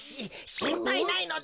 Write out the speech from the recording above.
しんぱいないのだ。